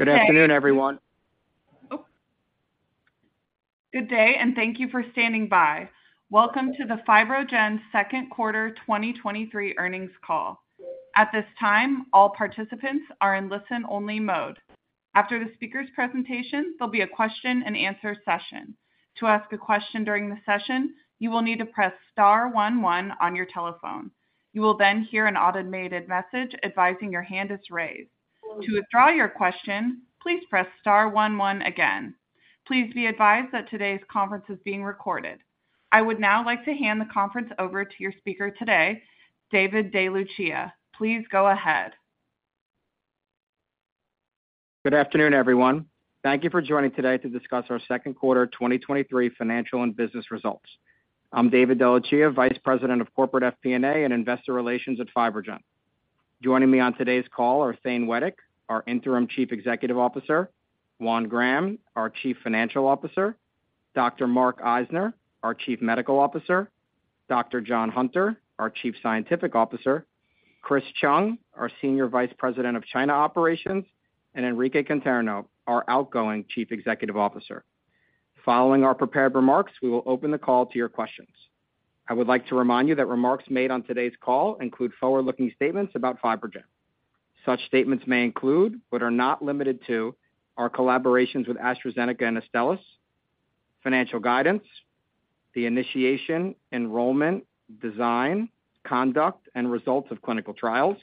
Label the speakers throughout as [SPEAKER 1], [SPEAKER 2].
[SPEAKER 1] Good afternoon, everyone.
[SPEAKER 2] Good day, and thank you for standing by. Welcome to the FibroGen Second Quarter 2023 Earnings Call. At this time, all participants are in listen-only mode. After the speaker's presentation, there'll be a question-and-answer session. To ask a question during the session, you will need to press star one one on your telephone. You will hear an automated message advising your hand is raised. To withdraw your question, please press star one one again. Please be advised that today's conference is being recorded. I would now like to hand the conference over to your speaker today, David DeLucia. Please go ahead.
[SPEAKER 1] Good afternoon, everyone. Thank you for joining today to discuss our second quarter 2023 financial and business results. I'm David DeLucia, Vice President of Corporate FP&A and Investor Relations at FibroGen. Joining me on today's call are Thane Wettig, our Interim Chief Executive Officer; Juan Graham, our Chief Financial Officer; Dr. Mark Eisner, our Chief Medical Officer; Dr. John Hunter, our Chief Scientific Officer; Chris Chung, our Senior Vice President of China Operations; and Enrique Conterno, our outgoing Chief Executive Officer. Following our prepared remarks, we will open the call to your questions. I would like to remind you that remarks made on today's call include forward-looking statements about FibroGen. Such statements may include, but are not limited to, our collaborations with AstraZeneca and Astellas, financial guidance, the initiation, enrollment, design, conduct, and results of clinical trials,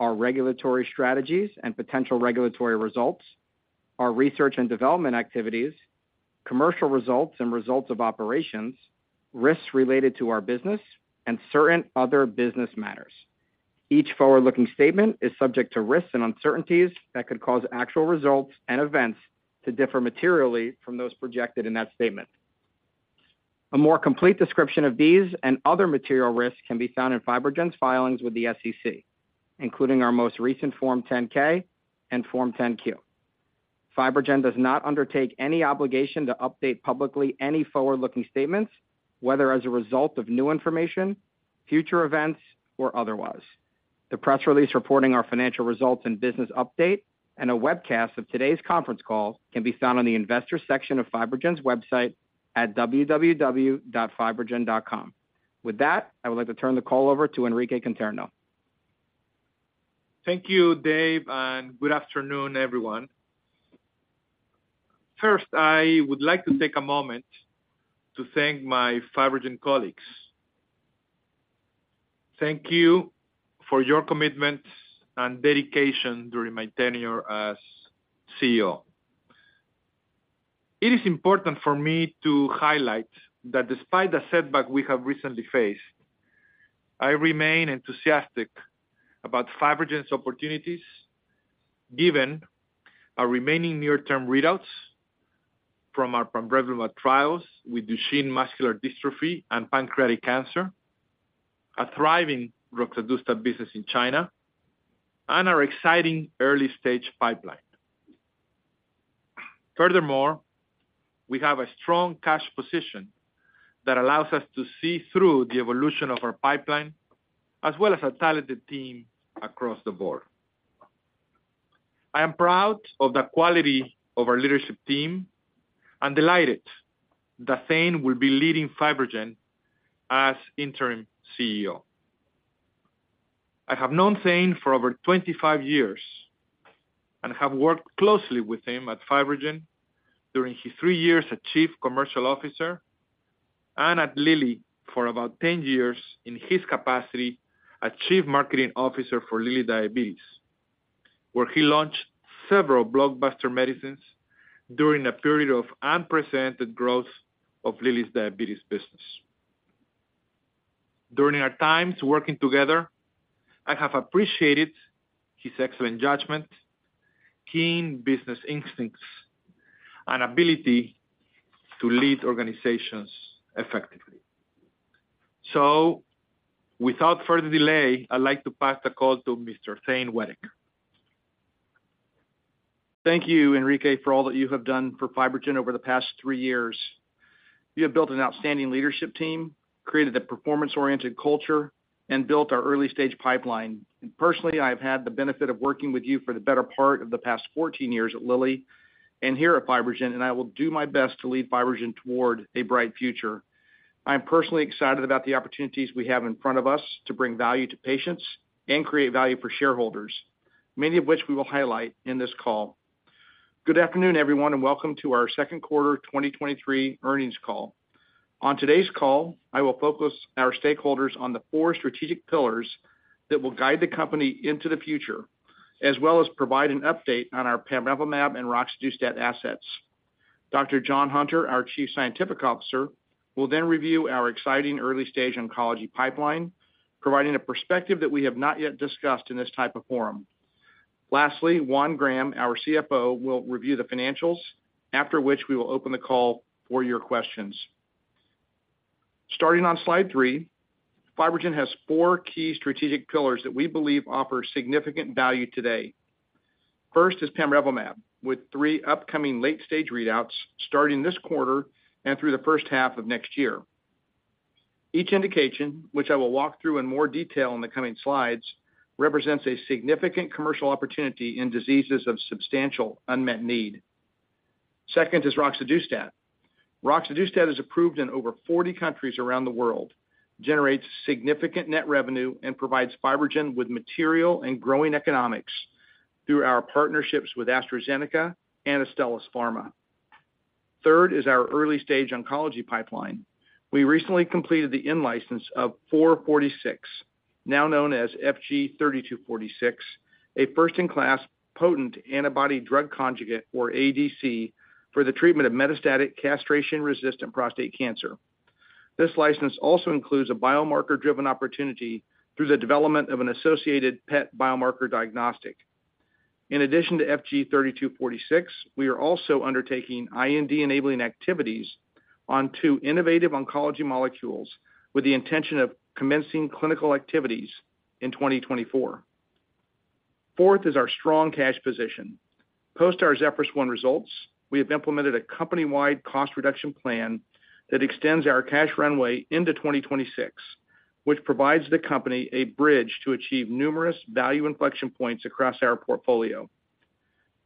[SPEAKER 1] our regulatory strategies and potential regulatory results, our research and development activities, commercial results and results of operations, risks related to our business, and certain other business matters. Each forward-looking statement is subject to risks and uncertainties that could cause actual results and events to differ materially from those projected in that statement. A more complete description of these and other material risks can be found in FibroGen's filings with the SEC, including our most recent Form 10-K and Form 10-Q. FibroGen does not undertake any obligation to update publicly any forward-looking statements, whether as a result of new information, future events, or otherwise. The press release reporting our financial results and business update, and a webcast of today's conference call can be found on the Investors section of FibroGen's website at www.fibrogen.com With that, I would like to turn the call over to Enrique Conterno.
[SPEAKER 3] Thank you, Dave, and good afternoon, everyone. First, I would like to take a moment to thank my FibroGen colleagues. Thank you for your commitment and dedication during my tenure as CEO. It is important for me to highlight that despite the setback we have recently faced, I remain enthusiastic about FibroGen’s opportunities, given our remaining near-term readouts from our pamrevlumab trials with Duchenne muscular dystrophy and pancreatic cancer, a thriving Roxadustat business in China, and our exciting early-stage pipeline. We have a strong cash position that allows us to see through the evolution of our pipeline, as well as a talented team across the board. I am proud of the quality of our leadership team and delighted that Thane will be leading FibroGen as interim CEO. I have known Thane for over 25 years and have worked closely with him at FibroGen during his 3 years as chief commercial officer and at Lilly for about 10 years in his capacity as chief marketing officer for Lilly Diabetes, where he launched several blockbuster medicines during a period of unprecedented growth of Lilly's diabetes business. During our times working together, I have appreciated his excellent judgment, keen business instincts, and ability to lead organizations effectively. Without further delay, I'd like to pass the call to Mr. Thane Wettig.
[SPEAKER 4] Thank you, Enrique, for all that you have done for FibroGen over the past three years. You have built an outstanding leadership team, created a performance-oriented culture, and built our early-stage pipeline. Personally, I've had the benefit of working with you for the better part of the past 14 years at Lilly and here at FibroGen, and I will do my best to lead FibroGen toward a bright future. I am personally excited about the opportunities we have in front of us to bring value to patients and create value for shareholders, many of which we will highlight in this call. Good afternoon, everyone, and welcome to our Second Quarter 2023 Earnings Call. On today's call, I will focus our stakeholders on the four strategic pillars that will guide the company into the future, as well as provide an update on our pamrevlumab and Roxadustat assets. Dr. John Hunter, our Chief Scientific Officer, will then review our exciting early-stage oncology pipeline, providing a perspective that we have not yet discussed in this type of forum. Lastly, Juan Graham, our CFO, will review the financials, after which we will open the call for your questions. Starting on Slide three, FibroGen has four key strategic pillars that we believe offer significant value today. First is pamrevlumab, with three upcoming late-stage readouts starting this quarter and through the first half of next year. Each indication, which I will walk through in more detail in the coming slides, represents a significant commercial opportunity in diseases of substantial unmet need. Second is Roxadustat. Roxadustat is approved in over 40 countries around the world, generates significant net revenue, and provides FibroGen with material and growing economics through our partnerships with AstraZeneca and Astellas Pharma. Third is our early-stage oncology pipeline. We recently completed the in-license of 446, now known as FG-3246, a first-in-class potent antibody drug conjugate, or ADC, for the treatment of metastatic castration-resistant prostate cancer. This license also includes a biomarker-driven opportunity through the development of an associated PET biomarker diagnostic. In addition to FG-3246, we are also undertaking IND-enabling activities on two innovative oncology molecules with the intention of commencing clinical activities in 2024. Fourth is our strong cash position. Post our ZEPHYRUS-1 results, we have implemented a company-wide cost reduction plan that extends our cash runway into 2026, which provides the company a bridge to achieve numerous value inflection points across our portfolio.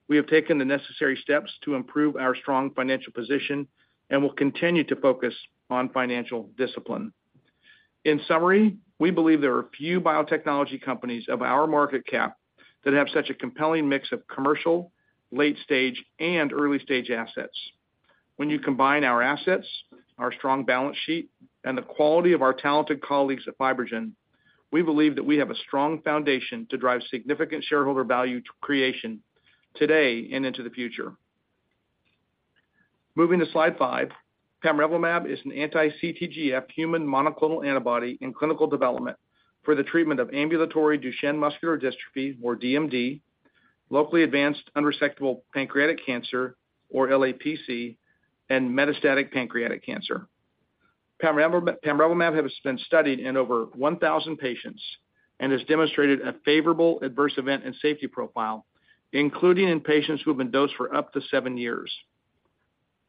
[SPEAKER 4] We have taken the necessary steps to improve our strong financial position and will continue to focus on financial discipline. In summary, we believe there are a few biotechnology companies of our market cap that have such a compelling mix of commercial, late-stage, and early-stage assets. When you combine our assets, our strong balance sheet, and the quality of our talented colleagues at FibroGen, we believe that we have a strong foundation to drive significant shareholder value creation today and into the future. Moving to slide five, pamrevlumab is an anti-CTGF human monoclonal antibody in clinical development for the treatment of ambulatory Duchenne muscular dystrophy, or DMD, locally advanced unresectable pancreatic cancer, or LAPC, and metastatic pancreatic cancer. Pamrevlumab has been studied in over 1,000 patients and has demonstrated a favorable adverse event and safety profile, including in patients who have been dosed for up to seven years.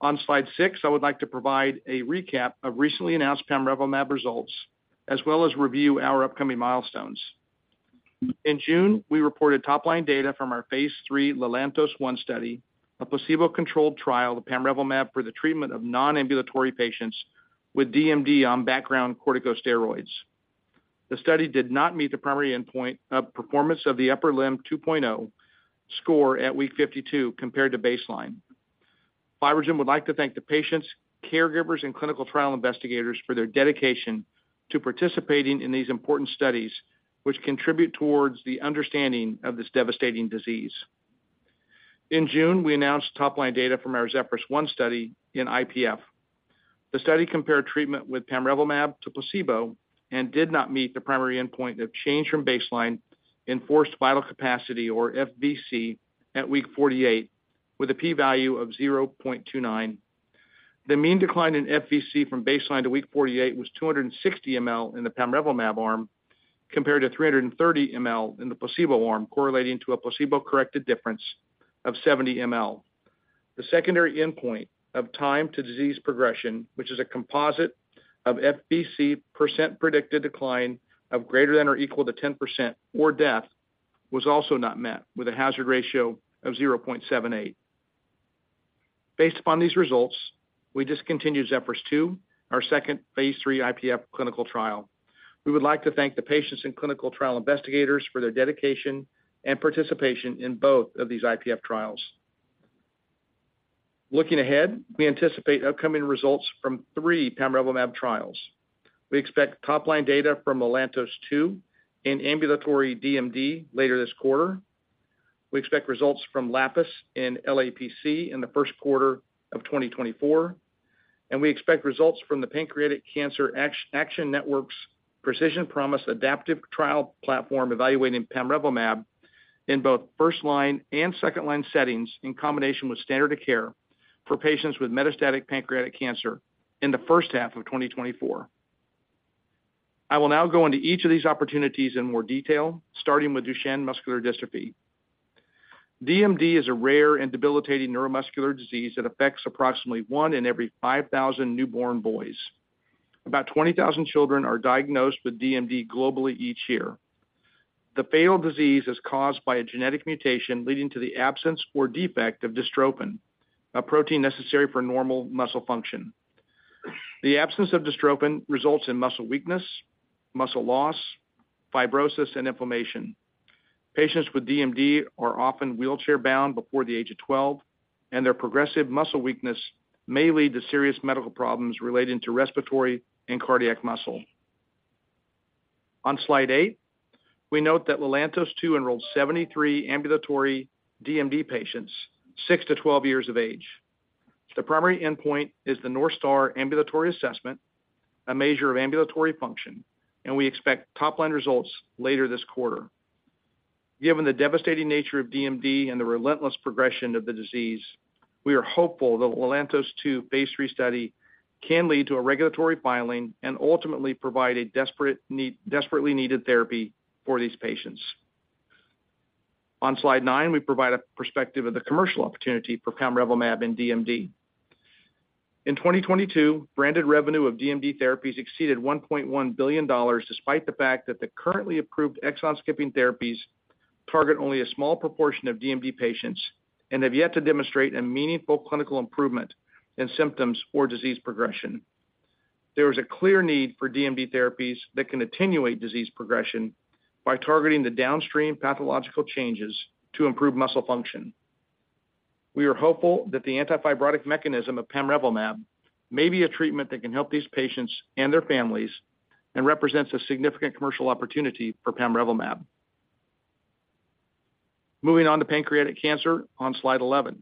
[SPEAKER 4] On Slide six, I would like to provide a recap of recently announced pamrevlumab results, as well as review our upcoming milestones. In June, we reported top-line data from our Phase III LELANTOS-1 study, a placebo-controlled trial of pamrevlumab for the treatment of non-ambulatory patients with DMD on background corticosteroids. The study did not meet the primary endpoint of Performance of the Upper Limb 2.0 score at week 52 compared to baseline. FibroGen would like to thank the patients, caregivers, and clinical trial investigators for their dedication to participating in these important studies, which contribute towards the understanding of this devastating disease. In June, we announced top-line data from our ZEPHYRUS-1 study in IPF. The study compared treatment with pamrevlumab to placebo and did not meet the primary endpoint of change from baseline in forced vital capacity, or FVC, at week 48, with a P value of 0.29. The mean decline in FVC from baseline to week 48 was 260 ml in the pamrevlumab arm, compared to 330 ml in the placebo arm, correlating to a placebo-corrected difference of 70 ml. The secondary endpoint of time to disease progression, which is a composite of FVC % predicted decline of greater than or equal to 10% or death, was also not met with a hazard ratio of 0.78. Based upon these results, we discontinued ZEPHYRUS-2, our second Phase III IPF clinical trial. We would like to thank the patients and clinical trial investigators for their dedication and participation in both of these IPF trials. Looking ahead, we anticipate upcoming results from 3 pamrevlumab trials. We expect top-line data from LELANTOS-2 in ambulatory DMD later this quarter. We expect results from LAPIS in LAPC in the first quarter of 2024. We expect results from the Pancreatic Cancer Action Network's Precision Promise Adaptive Trial Platform, evaluating pamrevlumab in both first-line and second-line settings in combination with standard of care for patients with metastatic pancreatic cancer in the first half of 2024. I will now go into each of these opportunities in more detail, starting with Duchenne muscular dystrophy. DMD is a rare and debilitating neuromuscular disease that affects approximately 1 in every 5,000 newborn boys. About 20,000 children are diagnosed with DMD globally each year. The fatal disease is caused by a genetic mutation leading to the absence or defect of dystrophin, a protein necessary for normal muscle function. The absence of dystrophin results in muscle weakness, muscle loss, fibrosis, and inflammation. Patients with DMD are often wheelchair-bound before the age of 12, their progressive muscle weakness may lead to serious medical problems relating to respiratory and cardiac muscle. On Slide eight, we note that LELANTOS-2 enrolled 73 ambulatory DMD patients, 6 to 12 years of age. The primary endpoint is the North Star Ambulatory Assessment, a measure of ambulatory function, and we expect top-line results later this quarter. Given the devastating nature of DMD and the relentless progression of the disease, we are hopeful that LELANTOS-2 phase III study can lead to a regulatory filing and ultimately provide a desperately needed therapy for these patients. On Slide 9, we provide a perspective of the commercial opportunity for pamrevlumab in DMD. In 2022, branded revenue of DMD therapies exceeded $1.1 billion, despite the fact that the currently approved exon-skipping therapies target only a small proportion of DMD patients and have yet to demonstrate a meaningful clinical improvement in symptoms or disease progression. There is a clear need for DMD therapies that can attenuate disease progression by targeting the downstream pathological changes to improve muscle function. We are hopeful that the anti-fibrotic mechanism of pamrevlumab may be a treatment that can help these patients and their families and represents a significant commercial opportunity for pamrevlumab. Moving on to pancreatic cancer on Slide 11.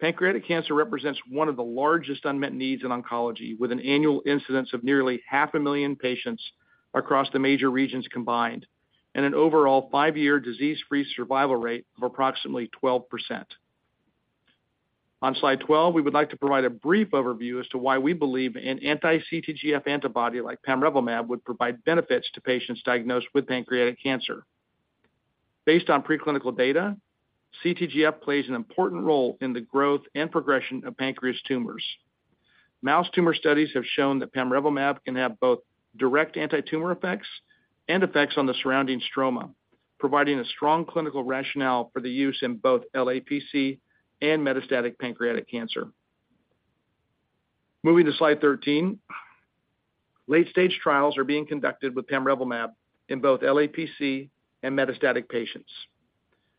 [SPEAKER 4] Pancreatic cancer represents one of the largest unmet needs in oncology, with an annual incidence of nearly 500,000 patients across the major regions combined and an overall 5-year disease-free survival rate of approximately 12%. On Slide 12, we would like to provide a brief overview as to why we believe an anti-CTGF antibody, like pamrevlumab, would provide benefits to patients diagnosed with pancreatic cancer. Based on preclinical data, CTGF plays an important role in the growth and progression of pancreas tumors. Mouse tumor studies have shown that pamrevlumab can have both direct antitumor effects and effects on the surrounding stroma, providing a strong clinical rationale for the use in both LAPC and metastatic pancreatic cancer. Moving to Slide 13, late-stage trials are being conducted with pamrevlumab in both LAPC and metastatic patients.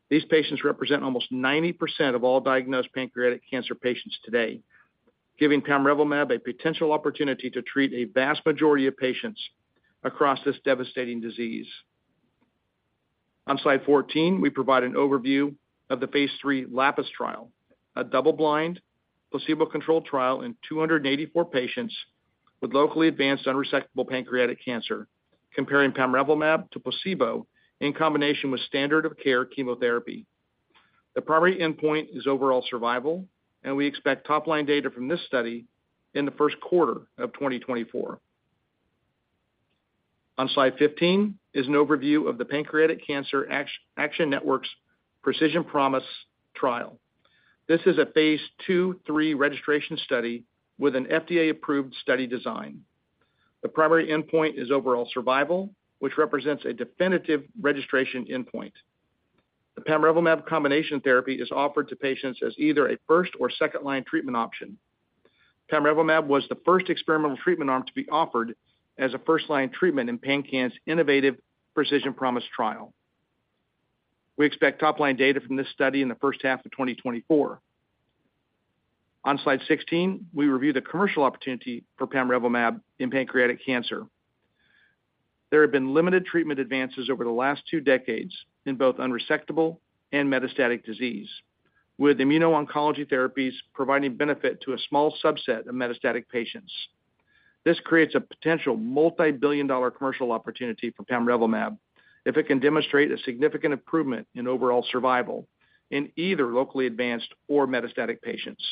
[SPEAKER 4] These patients represent almost 90% of all diagnosed pancreatic cancer patients today, giving pamrevlumab a potential opportunity to treat a vast majority of patients across this devastating disease. On Slide 14, we provide an overview of the Phase III LAPIS trial, a double-blind, placebo-controlled trial in 284 patients with locally advanced unresectable pancreatic cancer, comparing pamrevlumab to placebo in combination with standard of care chemotherapy. The primary endpoint is overall survival, and we expect top-line data from this study in the first quarter of 2024. On Slide 15 is an overview of the Pancreatic Cancer Action Network's Precision Promise trial. This is a Phase 2/3 registration study with an FDA-approved study design. The primary endpoint is overall survival, which represents a definitive registration endpoint. The pamrevlumab combination therapy is offered to patients as either a first or second-line treatment option. Pamrevlumab was the first experimental treatment arm to be offered as a first-line treatment in PanCAN's innovative Precision Promise trial. We expect top-line data from this study in the first half of 2024. On Slide 16, we review the commercial opportunity for pamrevlumab in pancreatic cancer. There have been limited treatment advances over the last two decades in both unresectable and metastatic disease, with immuno-oncology therapies providing benefit to a small subset of metastatic patients. This creates a potential multibillion-dollar commercial opportunity for pamrevlumab if it can demonstrate a significant improvement in overall survival in either locally advanced or metastatic patients.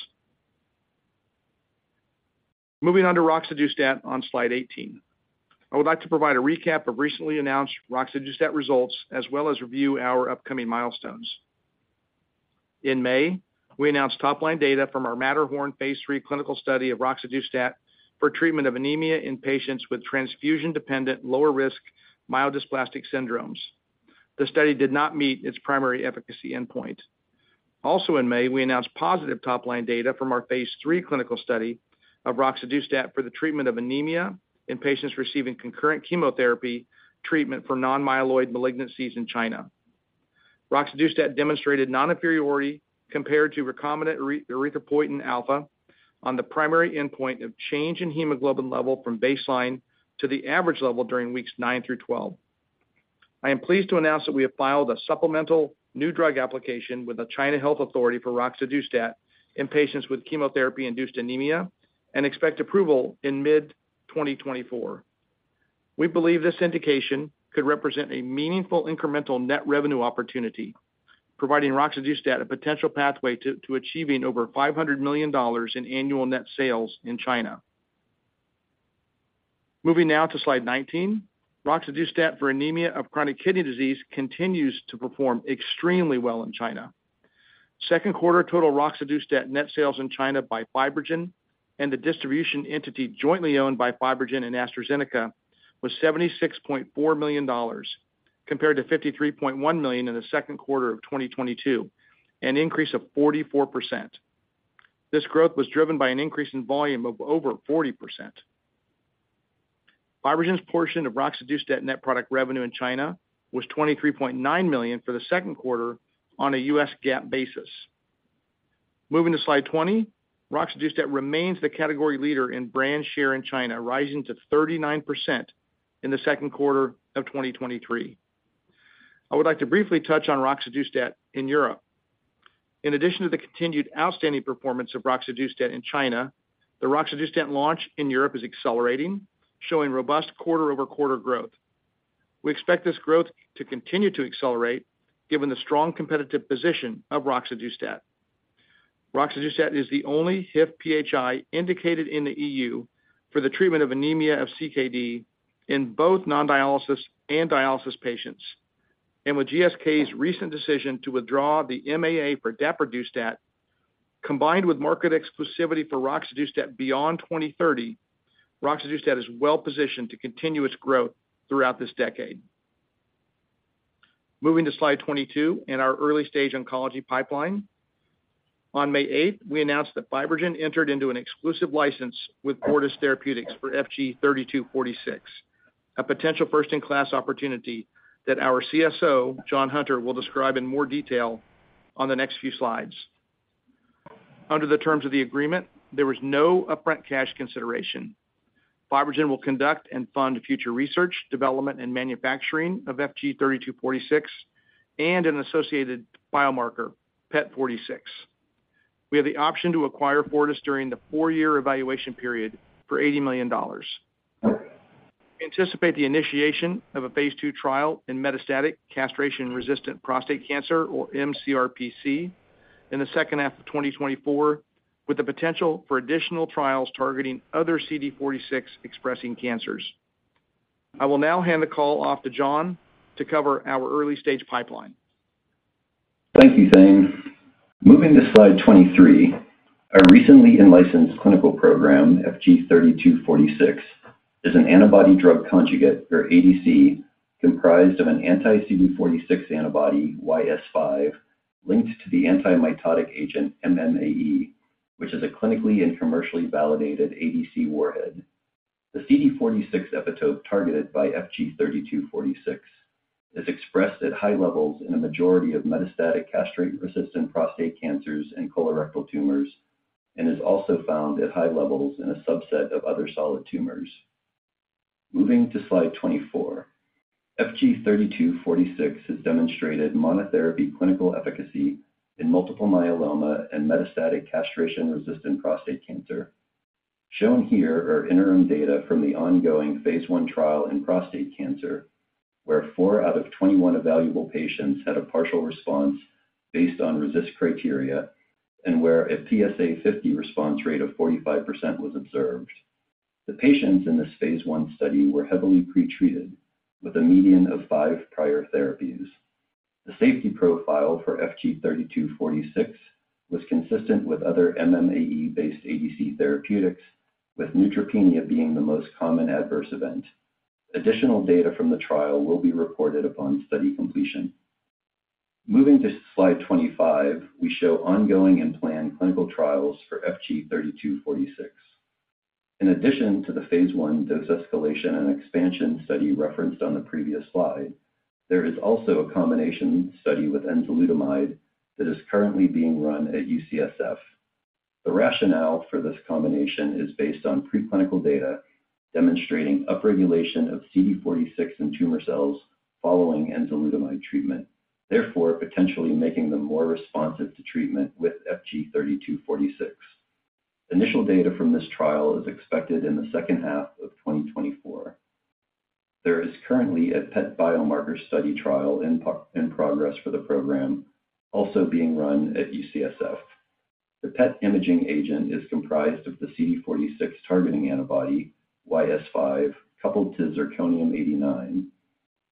[SPEAKER 4] Moving on to Roxadustat on Slide 18. I would like to provide a recap of recently announced Roxadustat results, as well as review our upcoming milestones. In May, we announced top-line data from our MATTERHORN Phase III clinical study of Roxadustat for treatment of anemia in patients with transfusion-dependent, lower-risk myelodysplastic syndromes. The study did not meet its primary efficacy endpoint. Also in May, we announced positive top-line data from our Phase III clinical study of Roxadustat for the treatment of anemia in patients receiving concurrent chemotherapy treatment for non-myeloid malignancies in China. Roxadustat demonstrated non-inferiority compared to recombinant erythropoietin alfa on the primary endpoint of change in hemoglobin level from baseline to the average level during weeks 9 through 12. I am pleased to announce that we have filed a supplemental new drug application with the China Health Authority for Roxadustat in patients with chemotherapy-induced anemia and expect approval in mid-2024. We believe this indication could represent a meaningful incremental net revenue opportunity, providing Roxadustat a potential pathway to achieving over $500 million in annual net sales in China. Moving now to Slide 19. Roxadustat for anemia of chronic kidney disease continues to perform extremely well in China. Second quarter total Roxadustat net sales in China by FibroGen and the distribution entity jointly owned by FibroGen and AstraZeneca was $76.4 million, compared to $53.1 million in the second quarter of 2022, an increase of 44%. This growth was driven by an increase in volume of over 40%. FibroGen's portion of Roxadustat net product revenue in China was $23.9 million for the second quarter on a U.S. GAAP basis. Moving to Slide 20, Roxadustat remains the category leader in brand share in China, rising to 39% in the second quarter of 2023. I would like to briefly touch on Roxadustat in Europe. In addition to the continued outstanding performance of Roxadustat in China, the Roxadustat launch in Europe is accelerating, showing robust quarter-over-quarter growth. We expect this growth to continue to accelerate given the strong competitive position of Roxadustat. Roxadustat is the only HIF-PHI indicated in the EU for the treatment of anemia of CKD in both non-dialysis and dialysis patients. With GSK's recent decision to withdraw the MAA for Daprodustat, combined with market exclusivity for Roxadustat beyond 2030, Roxadustat is well-positioned to continuous growth throughout this decade. Moving to Slide 22, in our early-stage oncology pipeline. On May 8th, we announced that FibroGen entered into an exclusive license with Fortis Therapeutics for FG-3246, a potential first-in-class opportunity that our CSO, John Hunter, will describe in more detail on the next few slides. Under the terms of the agreement, there was no upfront cash consideration. FibroGen will conduct and fund future research, development, and manufacturing of FG-3246 and an associated biomarker, PET46. We have the option to acquire Fortis during the 4-year evaluation period for $80 million. We anticipate the initiation of a Phase II trial in metastatic castration-resistant prostate cancer, or mCRPC, in the second half of 2024, with the potential for additional trials targeting other CD46 expressing cancers. I will now hand the call off to John to cover our early stage pipeline.
[SPEAKER 5] Thank you, Thane. Moving to Slide 23, our recently in-licensed clinical program, FG-3246, is an antibody-drug conjugate, or ADC, comprised of an anti-CD46 antibody, YS5, linked to the antimitotic agent MMAE, which is a clinically and commercially validated ADC warhead. The CD46 epitope targeted by FG-3246 is expressed at high levels in a majority of metastatic castration-resistant prostate cancers and colorectal tumors, and is also found at high levels in a subset of other solid tumors. Moving to slide 24, FG-3246 has demonstrated monotherapy clinical efficacy in multiple myeloma and metastatic castration-resistant prostate cancer. Shown here are interim data from the ongoing phase 1 trial in prostate cancer, where 4 out of 21 evaluable patients had a partial response based on RECIST criteria and where a PSA 50 response rate of 45% was observed. The patients in this Phase I study were heavily pretreated with a median of five prior therapies. The safety profile for FG-3246 was consistent with other MMAE-based ADC therapeutics, with neutropenia being the most common adverse event. Additional data from the trial will be reported upon study completion. Moving to Slide 25, we show ongoing and planned clinical trials for FG-3246. In addition to the Phase I dose escalation and expansion study referenced on the previous slide, there is also a combination study with enzalutamide that is currently being run at UCSF. The rationale for this combination is based on preclinical data demonstrating upregulation of CD46 in tumor cells following enzalutamide treatment, therefore potentially making them more responsive to treatment with FG-3246. Initial data from this trial is expected in the second half of 2024. There is currently a PET biomarker study trial in progress for the program, also being run at UCSF. The PET imaging agent is comprised of the CD46 targeting antibody, YS5, coupled to zirconium-89.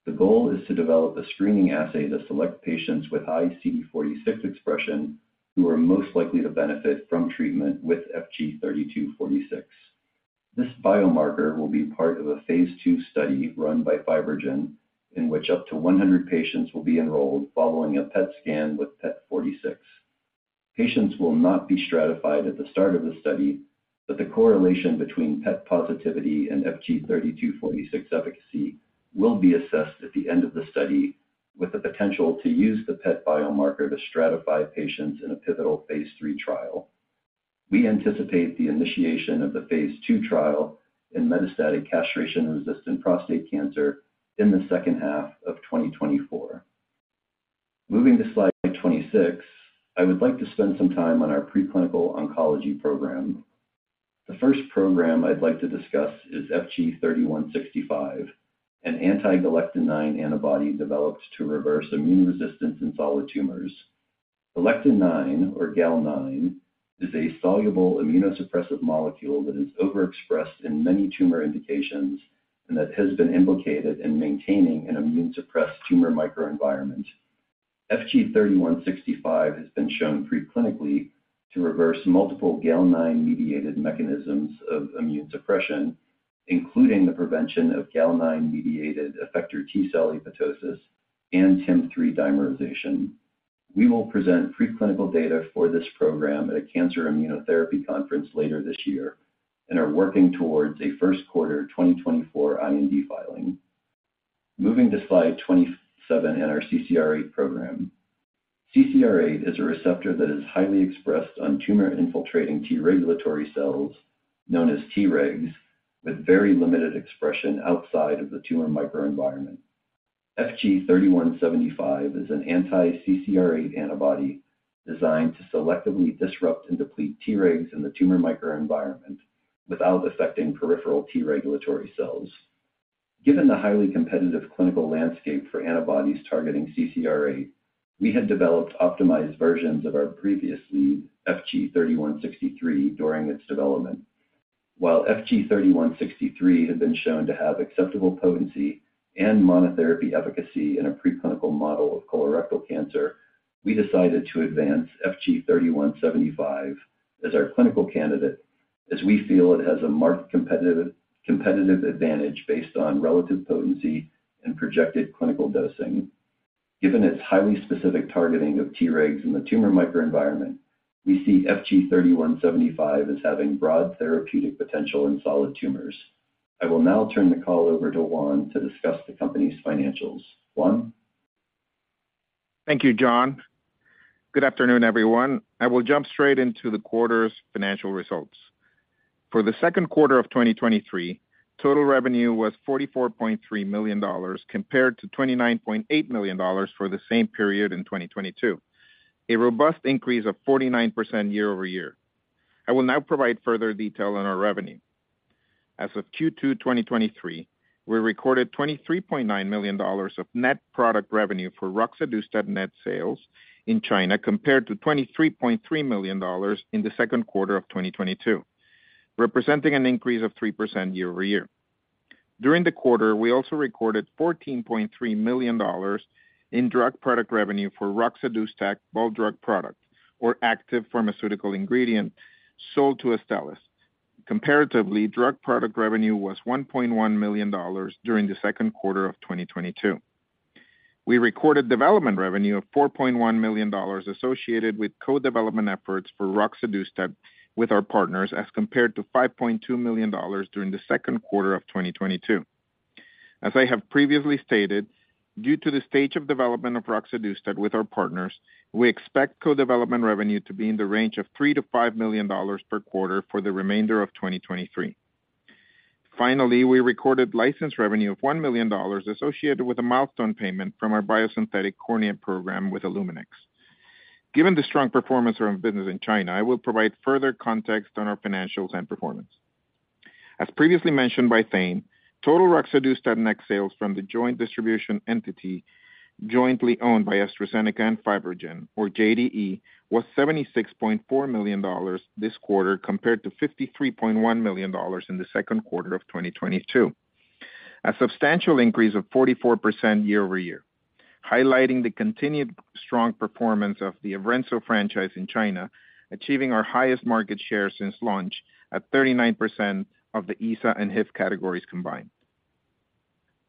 [SPEAKER 5] The goal is to develop a screening assay to select patients with high CD46 expression, who are most likely to benefit from treatment with FG-3246. This biomarker will be part of a Phase II study run by FibroGen, in which up to 100 patients will be enrolled following a PET scan with PET46. Patients will not be stratified at the start of the study, but the correlation between PET positivity and FG-3246 efficacy will be assessed at the end of the study, with the potential to use the PET biomarker to stratify patients in a pivotal Phase III trial. We anticipate the initiation of the Phase II trial in metastatic castration-resistant prostate cancer in the second half of 2024. Moving to Slide 26, I would like to spend some time on our preclinical oncology program. The first program I'd like to discuss is FG-3165, an anti-Galectin-9 antibody developed to reverse immune resistance in solid tumors. Galectin-9, or Gal-9, is a soluble immunosuppressive molecule that is overexpressed in many tumor indications and that has been implicated in maintaining an immune-suppressed tumor microenvironment. FG-3165 has been shown preclinically to reverse multiple Gal-9-mediated mechanisms of immune suppression, including the prevention of Gal-9-mediated effector T cell apoptosis and TIM-3 dimerization. We will present preclinical data for this program at a cancer immunotherapy conference later this year and are working towards a first quarter 2024 IND filing. Moving to Slide 27 in our CCR8 program. CCR8 is a receptor that is highly expressed on tumor-infiltrating T regulatory cells, known as Tregs, with very limited expression outside of the tumor microenvironment. FG-3175 is an anti-CCR8 antibody designed to selectively disrupt and deplete Tregs in the tumor microenvironment without affecting peripheral T regulatory cells. Given the highly competitive clinical landscape for antibodies targeting CCR8, we had developed optimized versions of our previous lead, FG-3163, during its development. While FG-3163 had been shown to have acceptable potency and monotherapy efficacy in a preclinical model of colorectal cancer, we decided to advance FG-3175 as our clinical candidate, as we feel it has a marked competitive, competitive advantage based on relative potency and projected clinical dosing. Given its highly specific targeting of Tregs in the tumor microenvironment, we see FG-3175 as having broad therapeutic potential in solid tumors. I will now turn the call over to Juan to discuss the company's financials. Juan?
[SPEAKER 6] Thank you, John. Good afternoon, everyone. I will jump straight into the quarter's financial results. For the second quarter of 2023, total revenue was $44.3 million, compared to $29.8 million for the same period in 2022, a robust increase of 49% year-over-year. I will now provide further detail on our revenue. As of Q2 2023, we recorded $23.9 million of net product revenue for Roxadustat net sales in China, compared to $23.3 million in the second quarter of 2022, representing an increase of 3% year-over-year. During the quarter, we also recorded $14.3 million in drug product revenue for Roxadustat bulk drug product, or active pharmaceutical ingredient, sold to Astellas. Comparatively, drug product revenue was $1.1 million during the second quarter of 2022. We recorded development revenue of $4.1 million associated with co-development efforts for Roxadustat with our partners, as compared to $5.2 million during the second quarter of 2022. As I have previously stated, due to the stage of development of Roxadustat with our partners, we expect co-development revenue to be in the range of $3 million-$5 million per quarter for the remainder of 2023. Finally, we recorded license revenue of $1 million associated with a milestone payment from our biosynthetic cornea program with I-Lumen Scientific Given the strong performance of our business in China, I will provide further context on our financials and performance. As previously mentioned by Thane, total Roxadustat net sales from the joint distribution entity jointly owned by AstraZeneca and FibroGen, or JDE, was $76.4 million this quarter, compared to $53.1 million in the second quarter of 2022. A substantial increase of 44% year-over-year, highlighting the continued strong performance of the Evrenzo franchise in China, achieving our highest market share since launch, at 39% of the ESA and HIF categories combined.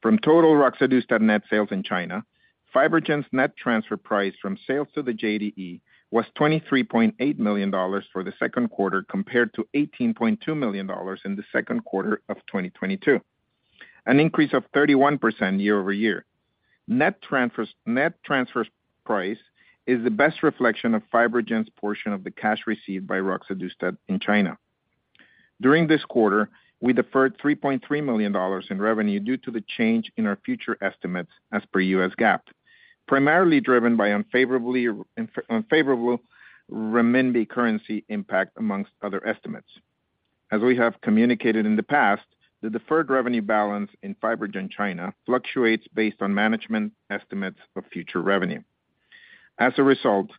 [SPEAKER 6] From total Roxadustat net sales in China, FibroGen's net transfer price from sales to the JDE was $23.8 million for the second quarter, compared to $18.2 million in the second quarter of 2022, an increase of 31% year-over-year. Net transfers, net transfer price is the best reflection of FibroGen's portion of the cash received by Roxadustat in China. During this quarter, we deferred $3.3 million in revenue due to the change in our future estimates as per U.S. GAAP, primarily driven by unfavorable renminbi impact, amongst other estimates. As we have communicated in the past, the deferred revenue balance in FibroGen China fluctuates based on management estimates of future revenue. As a result,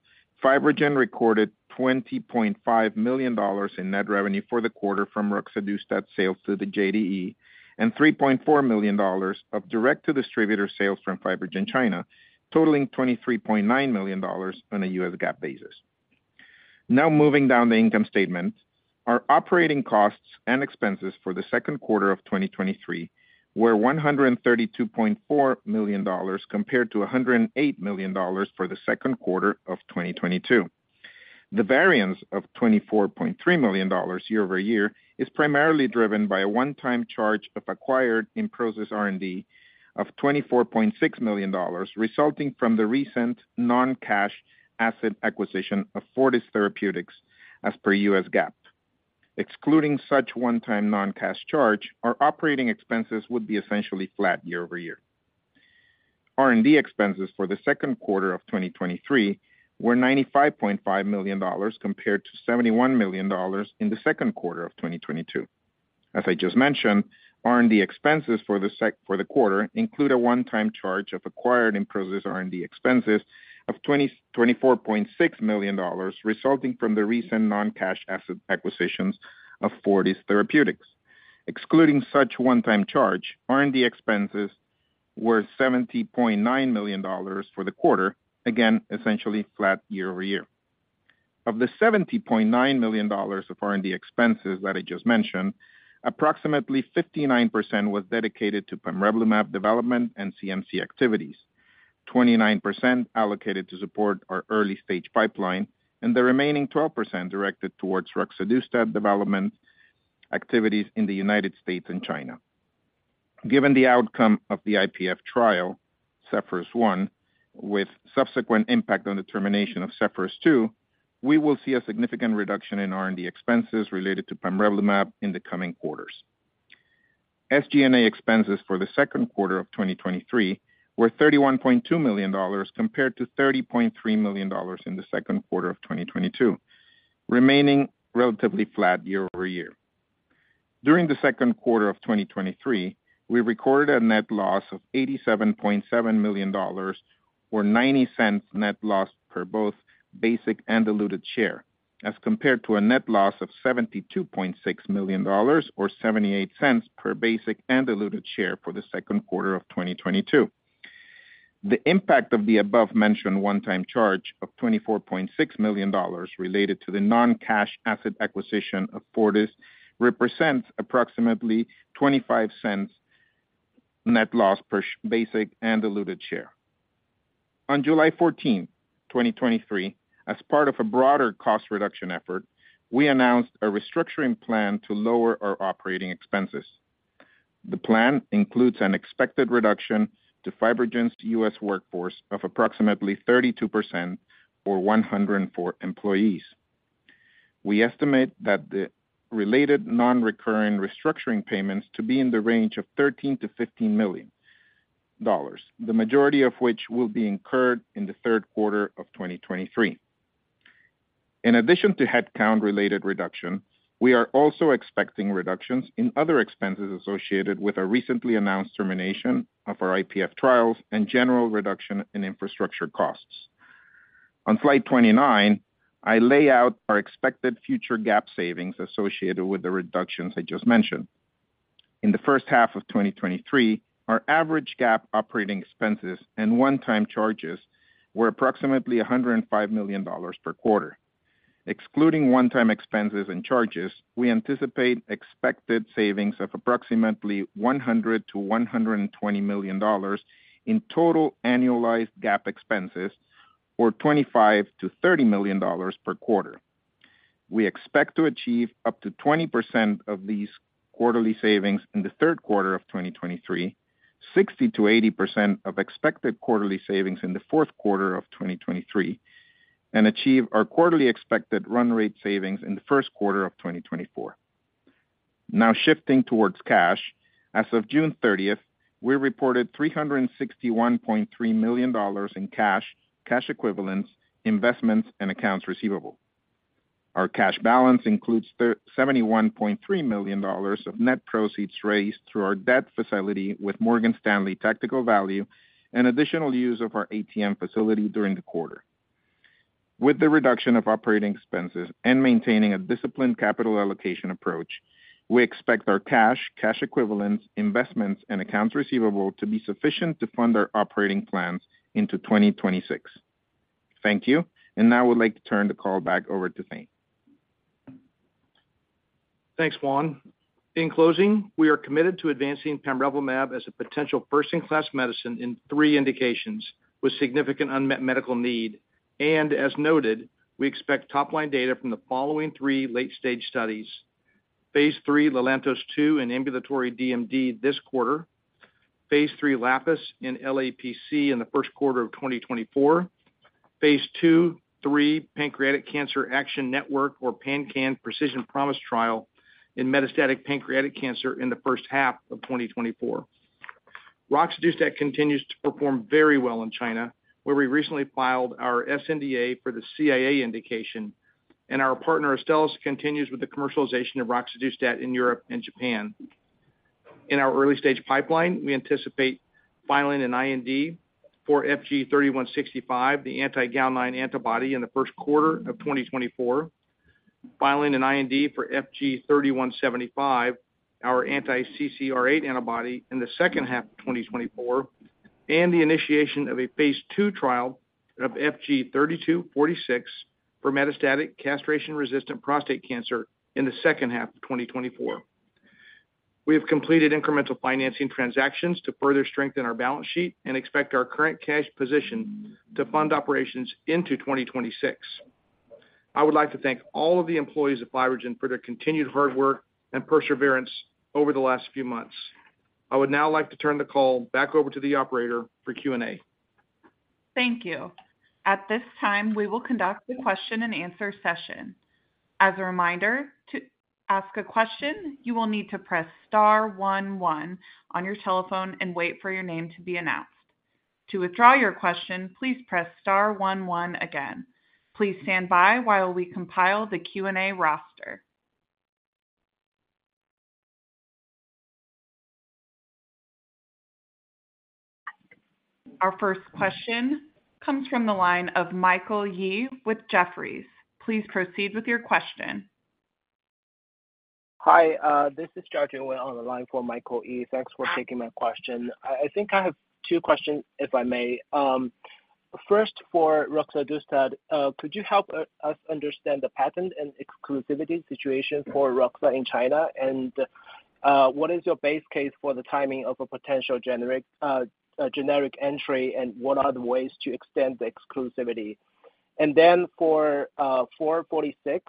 [SPEAKER 6] FibroGen recorded $20.5 million in net revenue for the quarter from Roxadustat sales to the JDE, and $3.4 million of direct-to-distributor sales from FibroGen China, totaling $23.9 million on a U.S. GAAP basis. Moving down the income statement. Our operating costs and expenses for the second quarter of 2023 were $132.4 million, compared to $108 million for the second quarter of 2022. The variance of $24.3 million year-over-year is primarily driven by a one-time charge of acquired in-process R&D of $24.6 million, resulting from the recent non-cash asset acquisition of Fortis Therapeutics, as per U.S. GAAP. Excluding such one-time non-cash charge, our operating expenses would be essentially flat year-over-year. R&D expenses for the second quarter of 2023 were $95.5 million, compared to $71 million in the second quarter of 2022. As I just mentioned, R&D expenses for the quarter include a one-time charge of acquired in-process R&D expenses of $24.6 million, resulting from the recent non-cash asset acquisitions of Fortis Therapeutics. Excluding such one-time charge, R&D expenses were $70.9 million for the quarter, again, essentially flat year-over-year. Of the $70.9 million of R&D expenses that I just mentioned, approximately 59% was dedicated to pamrevlumab development and CMC activities, 29% allocated to support our early-stage pipeline, and the remaining 12% directed towards Roxadustat development activities in the United States and China. Given the outcome of the IPF trial, ZEPHYRUS-1, with subsequent impact on the termination of ZEPHYRUS-2, we will see a significant reduction in R&D expenses related to pamrevlumab in the coming quarters. SG&A expenses for the second quarter of 2023 were $31.2 million, compared to $30.3 million in the second quarter of 2022, remaining relatively flat year-over-year. During the second quarter of 2023, we recorded a net loss of $87.7 million or $0.90 net loss per both basic and diluted share, as compared to a net loss of $72.6 million or $0.78 per basic and diluted share for the second quarter of 2022. The impact of the above-mentioned one-time charge of $24.6 million related to the non-cash asset acquisition of Fortis represents approximately $0.25 net loss per basic and diluted share. On July 14, 2023, as part of a broader cost reduction effort, we announced a restructuring plan to lower our operating expenses. The plan includes an expected reduction to FibroGen's U.S. workforce of approximately 32% or 104 employees. We estimate that the related non-recurring restructuring payments to be in the range of $13 million-$15 million, the majority of which will be incurred in the third quarter of 2023. In addition to headcount-related reduction, we are also expecting reductions in other expenses associated with a recently announced termination of our IPF trials and general reduction in infrastructure costs. On Slide 29, I lay out our expected future GAAP savings associated with the reductions I just mentioned. In the first half of 2023, our average GAAP operating expenses and one-time charges were approximately $105 million per quarter. Excluding one-time expenses and charges, we anticipate expected savings of approximately $100 million-$120 million in total annualized GAAP expenses, or $25 million-$30 million per quarter. We expect to achieve up to 20% of these quarterly savings in the 3rd quarter of 2023, 60%-80% of expected quarterly savings in the 4th quarter of 2023, and achieve our quarterly expected run rate savings in the 1st quarter of 2024. Shifting towards cash. As of June 30th, we reported $361.3 million in cash, cash equivalents, investments, and accounts receivable. Our cash balance includes $71.3 million of net proceeds raised through our debt facility with Morgan Stanley Tactical Value and additional use of our ATM facility during the quarter. With the reduction of operating expenses and maintaining a disciplined capital allocation approach, we expect our cash, cash equivalents, investments, and accounts receivable to be sufficient to fund our operating plans into 2026. Thank you, now I would like to turn the call back over to Thane.
[SPEAKER 4] Thanks, Juan. In closing, we are committed to advancing Pamrevlumab as a potential first-in-class medicine in 3 indications with significant unmet medical need. As noted, we expect top-line data from the following 3 late-stage studies. Phase III LELANTOS-2 in ambulatory DMD this quarter, Phase III LAPIS in LAPC in the first quarter of 2024, Phase II, III Pancreatic Cancer Action Network or PanCAN Precision Promise Trial in metastatic pancreatic cancer in the first half of 2024. Roxadustat continues to perform very well in China, where we recently filed our sNDA for the CIA indication, and our partner, Astellas, continues with the commercialization of Roxadustat in Europe and Japan. In our early-stage pipeline, we anticipate filing an IND for FG-3165, the anti-Gal-9 antibody, in the 1st quarter of 2024, filing an IND for FG-3175, our anti-CCR8 antibody, in the 2nd half of 2024, and the initiation of a phase 2 trial of FG-3246 for metastatic castration-resistant prostate cancer in the 2nd half of 2024. We have completed incremental financing transactions to further strengthen our balance sheet and expect our current cash position to fund operations into 2026. I would like to thank all of the employees of FibroGen for their continued hard work and perseverance over the last few months. I would now like to turn the call back over to the operator for Q&A.
[SPEAKER 2] Thank you. At this time, we will conduct the question-and-answer session. As a reminder, to ask a question, you will need to press star one one on your telephone and wait for your name to be announced. To withdraw your question, please press star one one again. Please stand by while we compile the Q&A roster. Our first question comes from the line of Michael Yee with Jefferies. Please proceed with your question.
[SPEAKER 7] Hi, this is Jiajun Wen on the line for Michael Yee. Thanks for taking my question. I think I have two questions, if I may. First, for Roxadustat, could you help us understand the patent and exclusivity situation for Roxa in China? What is your base case for the timing of a potential generic generic entry, and what are the ways to extend the exclusivity? For 446,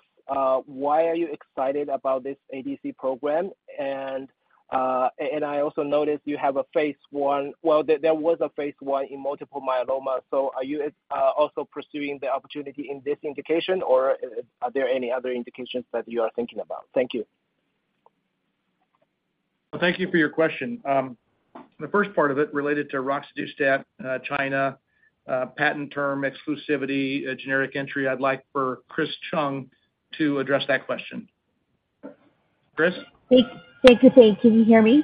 [SPEAKER 7] why are you excited about this ADC program? I also noticed you have a phase 1 in multiple myeloma, so are you also pursuing the opportunity in this indication, or are there any other indications that you are thinking about? Thank you.
[SPEAKER 4] Well, thank you for your question. The first part of it related to Roxadustat, China, patent term exclusivity, generic entry, I'd like for Chris Chung to address that question. Chris?
[SPEAKER 8] Thanks, thanks, Thane. Can you hear me?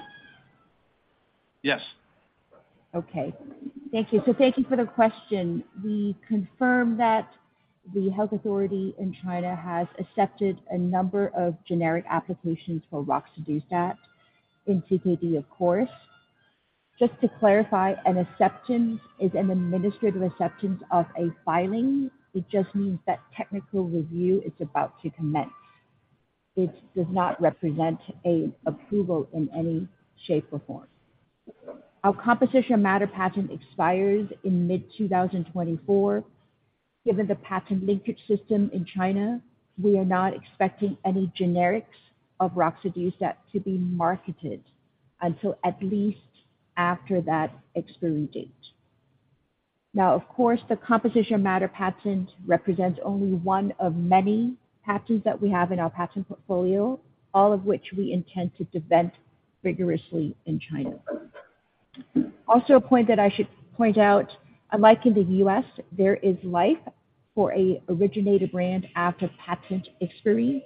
[SPEAKER 4] Yes.
[SPEAKER 8] Okay. Thank you. Thank you for the question. We confirm that the health authority in China has accepted a number of generic applications for Roxadustat in CKD, of course. Just to clarify, an acceptance is an administrative acceptance of a filing. It just means that technical review is about to commence. It does not represent a approval in any shape or form. Our composition of matter patent expires in mid-2024. Given the patent linkage system in China, we are not expecting any generics of Roxadustat to be marketed until at least after that expiry date. Of course, the composition of matter patent represents only one of many patents that we have in our patent portfolio, all of which we intend to defend vigorously in China. Also, a point that I should point out, unlike in the U.S., there is life for a originator brand after patent expiry.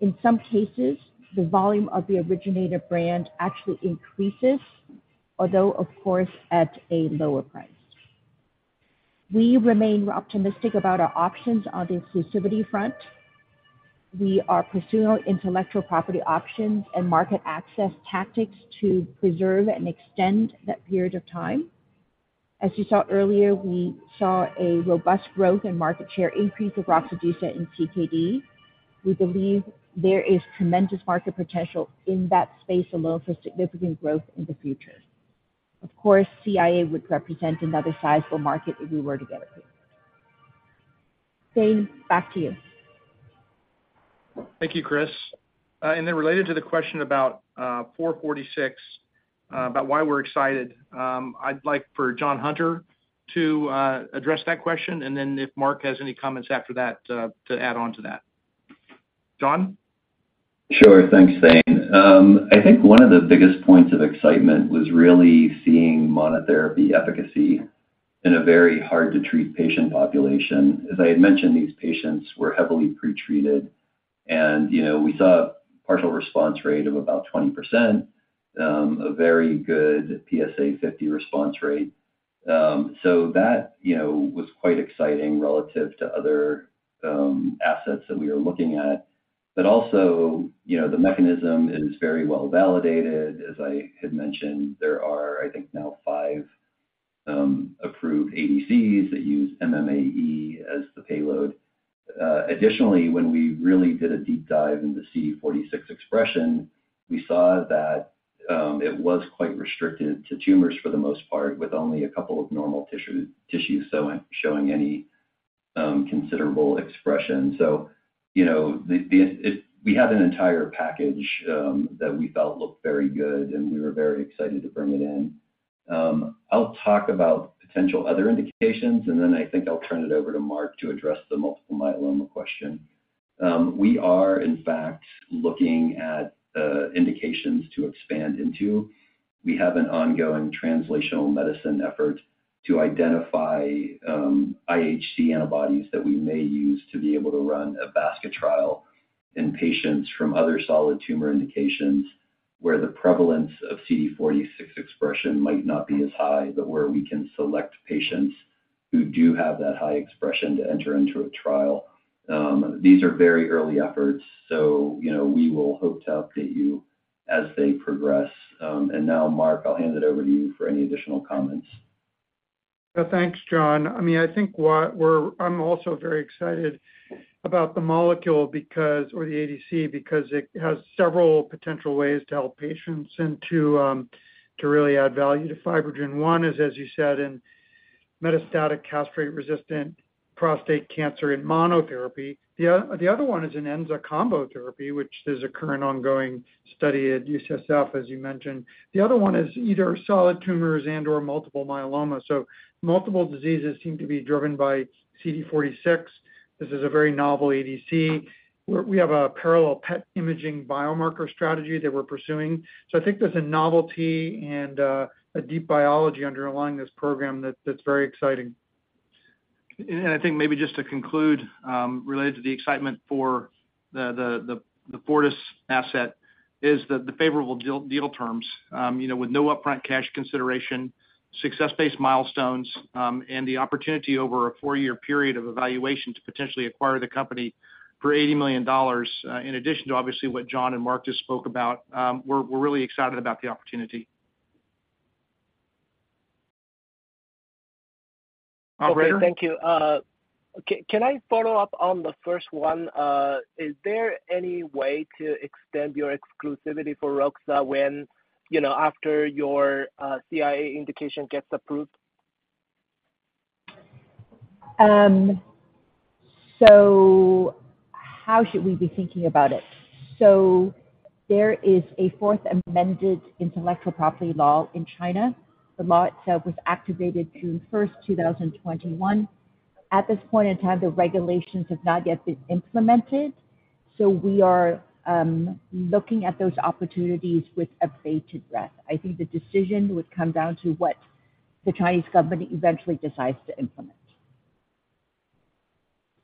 [SPEAKER 8] In some cases, the volume of the originator brand actually increases, although, of course, at a lower price. We remain optimistic about our options on the exclusivity front. We are pursuing intellectual property options and market access tactics to preserve and extend that period of time. As you saw earlier, we saw a robust growth in market share increase of Roxadustat in CKD. We believe there is tremendous market potential in that space allow for significant growth in the future. Of course, CIA would represent another sizable market if we were to get it. Thane, back to you.
[SPEAKER 4] Thank you, Chris. Then related to the question about 446, about why we're excited, I'd like for John Hunter to address that question, and then if Mark has any comments after that, to add on to that. John?
[SPEAKER 5] Sure. Thanks, Thane. I think one of the biggest points of excitement was really seeing monotherapy efficacy in a very hard-to-treat patient population. As I had mentioned, these patients were heavily pretreated, you know, we saw a partial response rate of about 20%, a very good PSA 50 response rate. That, you know, was quite exciting relative to other assets that we were looking at. You know, the mechanism is very well validated. As I had mentioned, there are, I think, now five approved ADCs that use MMAE as the payload. Additionally, when we really did a deep dive into CD46 expression, we saw that it was quite restricted to tumors for the most part, with only a couple of normal tissues showing any considerable expression. You know, we had an entire package that we felt looked very good, and we were very excited to bring it in. I'll talk about potential other indications, and then I think I'll turn it over to Mark to address the multiple myeloma question. We are, in fact, looking at indications to expand into. We have an ongoing translational medicine effort to identify IHC antibodies that we may use to be able to run a basket trial in patients from other solid tumor indications, where the prevalence of CD46 expression might not be as high, but where we can select patients who do have that high expression to enter into a trial. These are very early efforts, so, you know, we will hope to update you as they progress. Now, Mark, I'll hand it over to you for any additional comments.
[SPEAKER 9] Thanks, John. I mean, I'm also very excited about the molecule because, or the ADC, because it has several potential ways to help patients and to really add value to FibroGen. One is, as you said, in metastatic castrate-resistant prostate cancer in monotherapy. The other one is an enza combo therapy, which there's a current ongoing study at UCSF, as you mentioned. The other one is either solid tumors and/or multiple myeloma. Multiple diseases seem to be driven by CD46. This is a very novel ADC, where we have a parallel PET imaging biomarker strategy that we're pursuing. I think there's a novelty and a deep biology underlying this program that's very exciting.
[SPEAKER 4] I think maybe just to conclude, related to the excitement for the, the, the Fortis asset is the, the favorable deal, deal terms. you know, with no upfront cash consideration, success-based milestones, and the opportunity over a four-year period of evaluation to potentially acquire the company for $80 million, in addition to obviously what John and Mark just spoke about, we're, we're really excited about the opportunity. Operator?
[SPEAKER 7] Okay, thank you. Can I follow up on the first one? Is there any way to extend your exclusivity for Roxa when, you know, after your CIA indication gets approved?
[SPEAKER 8] How should we be thinking about it? There is a fourth amended intellectual property law in China. The law itself was activated June first, 2021. At this point in time, the regulations have not yet been implemented, we are looking at those opportunities with a bated breath. I think the decision would come down to what the Chinese company eventually decides to implement.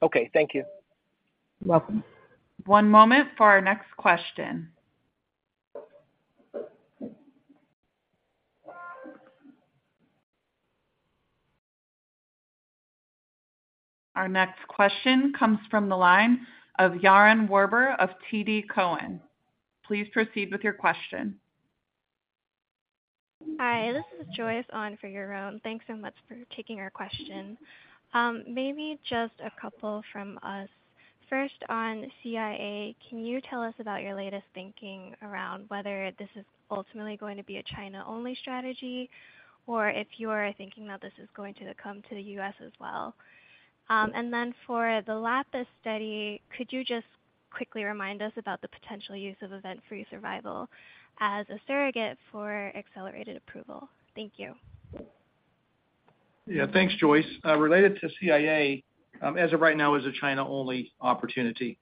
[SPEAKER 7] Okay, thank you.
[SPEAKER 8] Welcome.
[SPEAKER 2] One moment for our next question. Our next question comes from the line of Yaron Werber of TD Cowen. Please proceed with your question.
[SPEAKER 10] Hi, this is Joyce on for Yaron. Thanks so much for taking our question. Maybe just a couple from us. First, on CIA, can you tell us about your latest thinking around whether this is ultimately going to be a China-only strategy, or if you are thinking that this is going to come to the US as well? For the LAPIS study, could you just quickly remind us about the potential use of event-free survival as a surrogate for accelerated approval? Thank you.
[SPEAKER 3] Yeah. Thanks, Joyce. related to CIA, as of right now, is a China-only opportunity.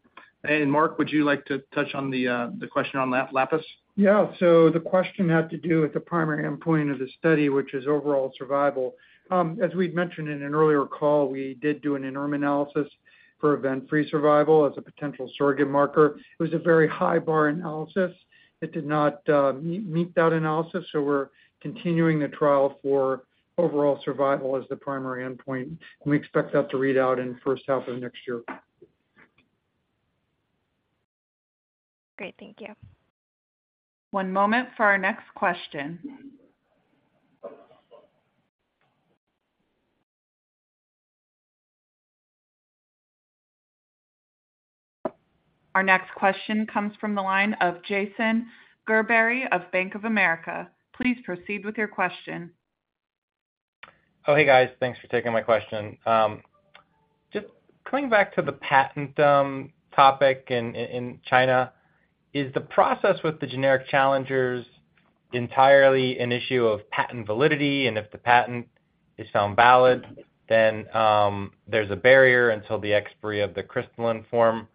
[SPEAKER 3] Mark, would you like to touch on the, the question on LAPIS?
[SPEAKER 9] Yeah. The question had to do with the primary endpoint of the study, which is overall survival. As we've mentioned in an earlier call, we did do an interim analysis for event-free survival as a potential surrogate marker. It was a very high bar analysis. It did not meet that analysis, so we're continuing the trial for overall survival as the primary endpoint, and we expect that to read out in first half of next year.
[SPEAKER 10] Great, thank you.
[SPEAKER 2] One moment for our next question. Our next question comes from the line of Jason Gerberry of Bank of America. Please proceed with your question.
[SPEAKER 11] Oh, hey, guys. Thanks for taking my question. Just coming back to the patent topic in China, is the process with the generic challengers entirely an issue of patent validity, and if the patent is found valid, then there's a barrier until the expiry of the crystalline form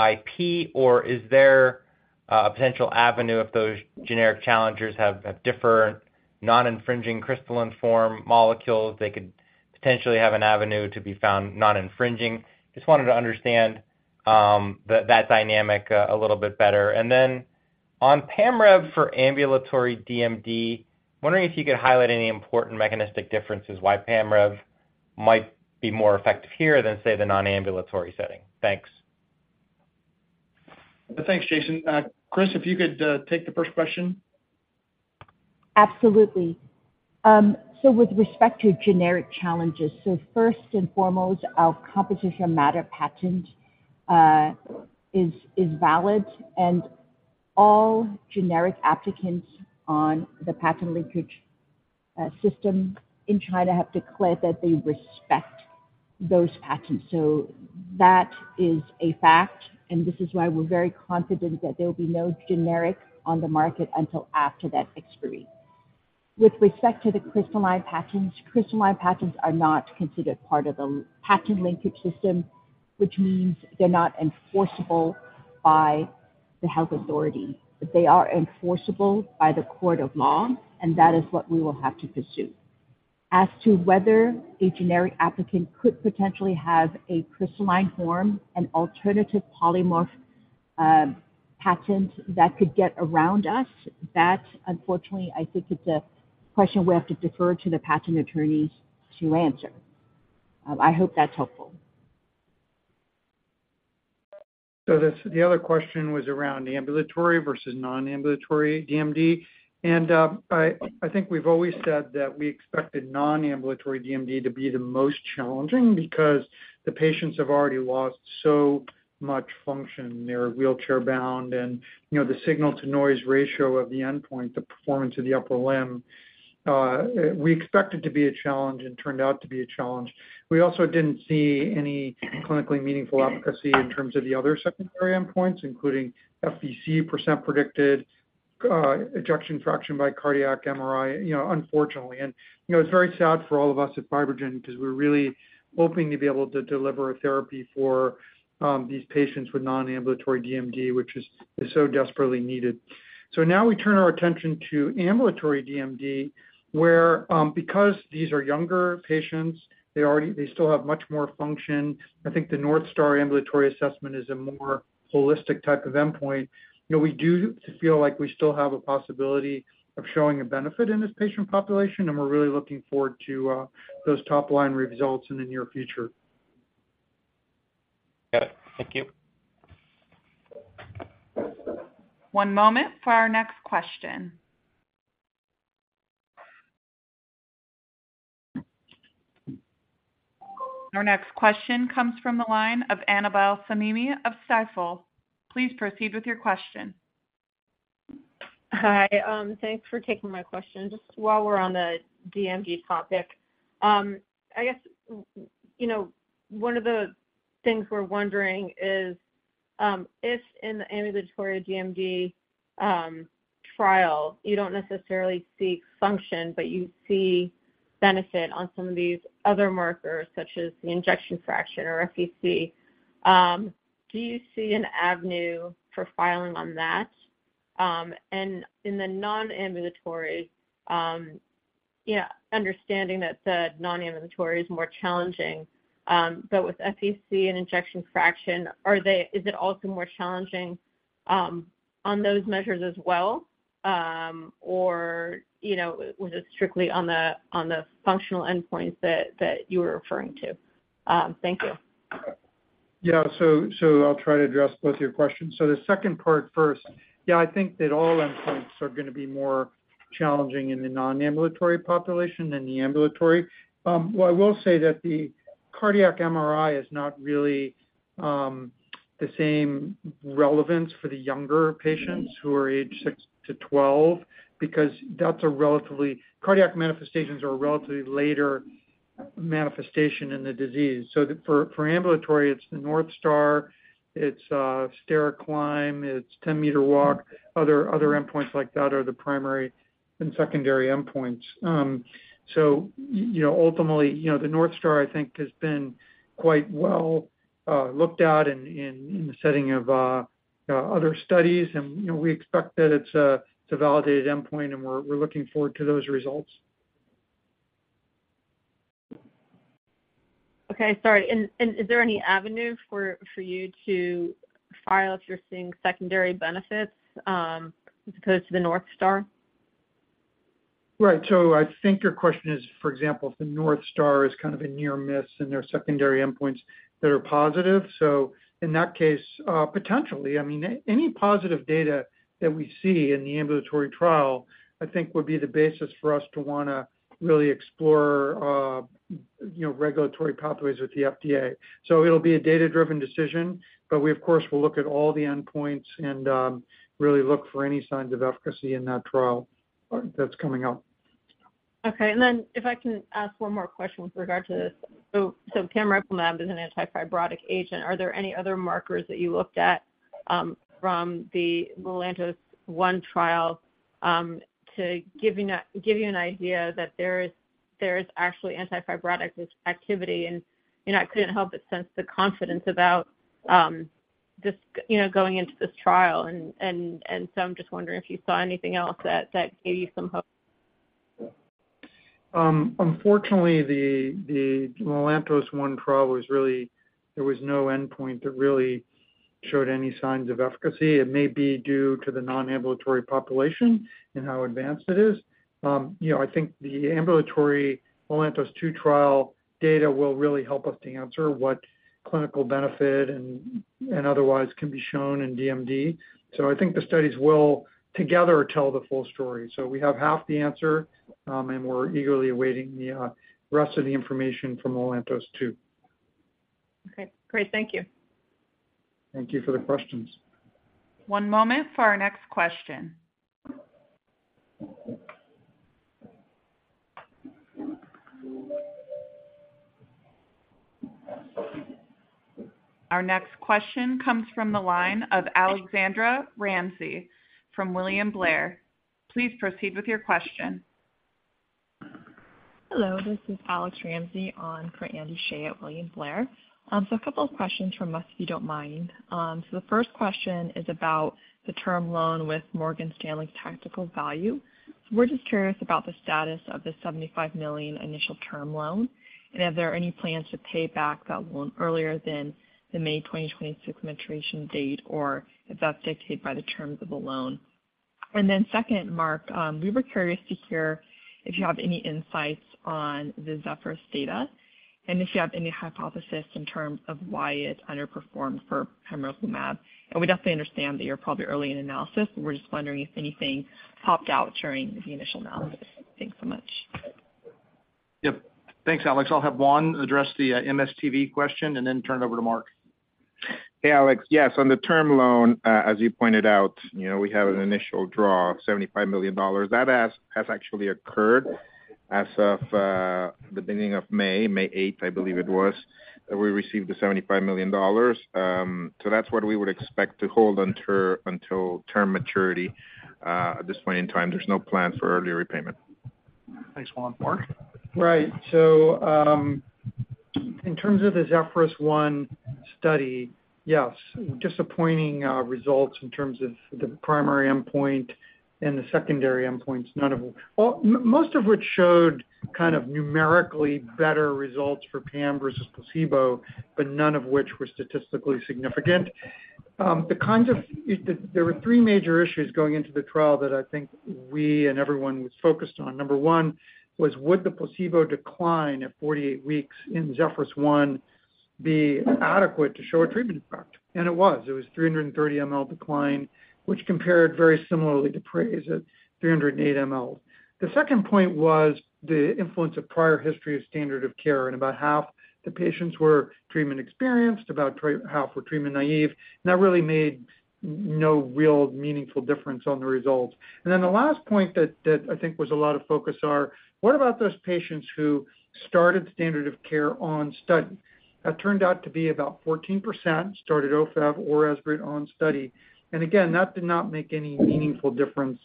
[SPEAKER 11] IP? Is there a potential avenue if those generic challengers have a different non-infringing crystalline form molecule, they could potentially have an avenue to be found not infringing? Just wanted to understand that, that dynamic a little bit better. Then on Pamrev for ambulatory DMD, wondering if you could highlight any important mechanistic differences, why Pamrev might be more effective here than, say, the non-ambulatory setting? Thanks.
[SPEAKER 3] Thanks, Jason. Chris, if you could, take the first question.
[SPEAKER 8] Absolutely. With respect to generic challenges, first and foremost, our composition matter patent is valid, and all generic applicants on the patent linkage system in China have declared that they respect those patents. That is a fact, and this is why we're very confident that there will be no generic on the market until after that expiry. With respect to the crystalline patents, crystalline patents are not considered part of the patent linkage system, which means they're not enforceable by the health authority. They are enforceable by the court of law, and that is what we will have to pursue. As to whether a generic applicant could potentially have a crystalline form, an alternative polymorph, patent that could get around us, that unfortunately, I think it's a question we have to defer to the patent attorneys to answer. I hope that's helpful.
[SPEAKER 9] The, the other question was around ambulatory versus non-ambulatory DMD. I, I think we've always said that we expected non-ambulatory DMD to be the most challenging because the patients have already lost so much function. They're wheelchair-bound, and, you know, the signal-to-noise ratio of the endpoint, the Performance of the Upper Limb, we expect it to be a challenge and turned out to be a challenge. We also didn't see any clinically meaningful efficacy in terms of the other secondary endpoints, including FVC, % predicted, ejection fraction by cardiac MRI, you know, unfortunately. You know, it's very sad for all of us at FibroGen because we're really hoping to be able to deliver a therapy for these patients with non-ambulatory DMD, which is, is so desperately needed. Now we turn our attention to ambulatory DMD, where, because these are younger patients, they still have much more function. I think the North Star Ambulatory Assessment is a more holistic type of endpoint. You know, we do feel like we still have a possibility of showing a benefit in this patient population, and we're really looking forward to those top-line results in the near future.
[SPEAKER 11] Got it. Thank you.
[SPEAKER 2] One moment for our next question. Our next question comes from the line of Anabel Samimi of Stifel. Please proceed with your question.
[SPEAKER 12] Hi, thanks for taking my question. Just while we're on the DMD topic, I guess, you know, one of the things we're wondering is, if in the ambulatory DMD trial, you don't necessarily see function, but you see benefit on some of these other markers, such as the ejection fraction or FVC. Do you see an avenue for filing on that? In the non-ambulatory, yeah, understanding that the non-ambulatory is more challenging. With FVC and ejection fraction, is it also more challenging on those measures as well? You know, was it strictly on the, on the functional endpoints that, that you were referring to? Thank you.
[SPEAKER 9] Yeah. So I'll try to address both of your questions. The second part first. Yeah, I think that all endpoints are gonna be more challenging in the non-ambulatory population than the ambulatory. Well, I will say that the cardiac MRI is not really the same relevance for the younger patients who are age 6 to 12, because that's a relatively later manifestation in the disease. For, for ambulatory, it's the North Star, it's stair climb, it's 10-meter walk. Other, other endpoints like that are the primary and secondary endpoints. You know, ultimately, you know, the North Star, I think, has been quite well looked at in, in the setting of other studies, and, you know, we expect that it's a, it's a validated endpoint, and we're looking forward to those results.
[SPEAKER 12] Okay. Sorry. Is there any avenue for, for you to file if you're seeing secondary benefits, as opposed to the North Star?
[SPEAKER 9] Right. I think your question is, for example, if the North Star is kind of a near miss and there are secondary endpoints that are positive. In that case, potentially. I mean, any positive data that we see in the ambulatory trial, I think would be the basis for us to wanna really explore, you know, regulatory pathways with the FDA. It'll be a data-driven decision, but we, of course, will look at all the endpoints and really look for any signs of efficacy in that trial that's coming out.
[SPEAKER 12] Okay. If I can ask one more question with regard to this. Pamrevlumab is an antifibrotic agent. Are there any other markers that you looked at, from the LELANTOS-1 trial, to give you an, give you an idea that there is, there is actually antifibrotic activity? You know, I couldn't help but sense the confidence about, this, you know, going into this trial. I'm just wondering if you saw anything else that, that gave you some hope.
[SPEAKER 9] Unfortunately, the, the LELANTOS-1 trial was really. There was no endpoint that really showed any signs of efficacy. It may be due to the non-ambulatory population and how advanced it is. You know, I think the ambulatory LELANTOS-2 trial data will really help us to answer what clinical benefit and, and otherwise can be shown in DMD. I think the studies will together tell the full story. We have half the answer, and we're eagerly awaiting the rest of the information from LELANTOS-2.
[SPEAKER 12] Okay, great. Thank you.
[SPEAKER 9] Thank you for the questions.
[SPEAKER 2] One moment for our next question. Our next question comes from the line of Alexandra Ramsey from William Blair. Please proceed with your question.
[SPEAKER 13] Hello, this is Alex Ramsey on for Andy Hsieh at William Blair. A couple of questions from us, if you don't mind. The first question is about the term loan with Morgan Stanley Tactical Value. We're just curious about the status of the $75 million initial term loan. Are there any plans to pay back that loan earlier than the May 2026 maturation date, if that's dictated by the terms of the loan? Second, Mark, we were curious to hear if you have any insights on the ZEPHYRUS data and if you have any hypothesis in terms of why it underperformed for pamrevlumab. We definitely understand that you're probably early in analysis, and we're just wondering if anything popped out during the initial analysis. Thanks so much.
[SPEAKER 3] Yep. Thanks, Alex. I'll have Juan address the MSTV question and then turn it over to Mark.
[SPEAKER 6] Hey, Alex. Yes, on the term loan, as you pointed out, you know, we have an initial draw of $75 million. That has, has actually occurred as of the beginning of May, May eighth, I believe it was, we received the $75 million. That's what we would expect to hold until, until term maturity. At this point in time, there's no plan for earlier repayment.
[SPEAKER 3] Thanks, Juan. Mark?
[SPEAKER 9] Right. In terms of the ZEPHYRUS-1 study, yes, disappointing results in terms of the primary endpoint and the secondary endpoints, none of them. Well, most of which showed kind of numerically better results for PAM versus placebo, but none of which were statistically significant. The kinds of... There were 3 major issues going into the trial that I think we and everyone was focused on. Number 1, was would the placebo decline at 48 weeks in ZEPHYRUS-1 be adequate to show a treatment effect? And it was. It was 330 mL decline, which compared very similarly to PRAISE at 308 mL. The second point was the influence of prior history of standard of care. About half the patients were treatment experienced, about half were treatment naive, and that really made no real meaningful difference on the results. The last point that, that I think was a lot of focus are, what about those patients who started standard of care on study? That turned out to be about 14%, started Ofev or Esbriet on study. Again, that did not make any meaningful difference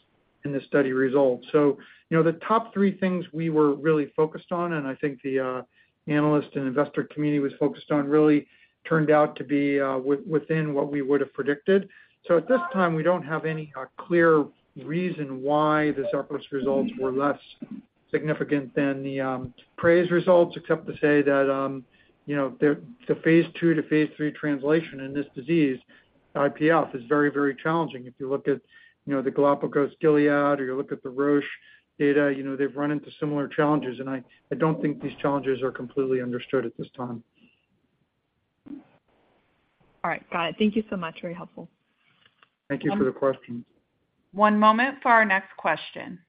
[SPEAKER 9] in the study results. You know, the top three things we were really focused on, and I think the analyst and investor community was focused on, really turned out to be within what we would have predicted. At this time, we don't have any clear reason why the ZEPHYRUS results were less significant than the PRAISE results, except to say that, you know, the, the Phase II to Phase III translation in this disease, IPF, is very, very challenging. If you look at, you know, the Galapagos, Gilead, or you look at the Roche data, you know, they've run into similar challenges, and I, I don't think these challenges are completely understood at this time.
[SPEAKER 13] All right, got it. Thank you so much. Very helpful.
[SPEAKER 9] Thank you for the question.
[SPEAKER 2] One moment for our next question.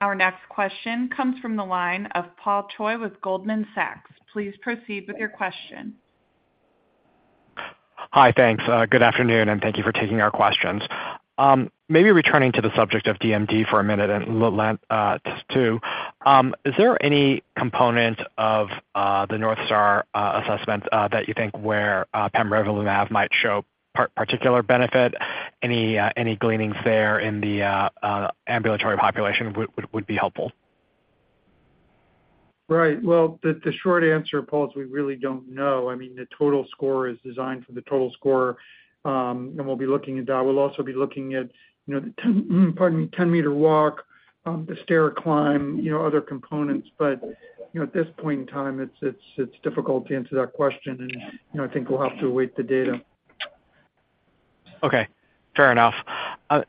[SPEAKER 2] Our next question comes from the line of Paul Choi with Goldman Sachs. Please proceed with your question.
[SPEAKER 14] Hi, thanks. Good afternoon, and thank you for taking our questions. Maybe returning to the subject of DMD for a minute, and LELANTOS-2, is there any component of the North Star Ambulatory Assessment that you think where pamrevlumab might show particular benefit? Any gleanings there in the ambulatory population would be helpful.
[SPEAKER 9] Right. Well, the, the short answer, Paul, is we really don't know. I mean, the total score is designed for the total score. We'll be looking at that. We'll also be looking at, you know, the 10, pardon me, 10-meter walk, the stair climb, you know, other components. You know, at this point in time, it's, it's, it's difficult to answer that question. You know, I think we'll have to await the data.
[SPEAKER 14] Okay, fair enough.